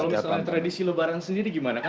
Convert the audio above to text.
kalau misalnya tradisi lebaran sendiri gimana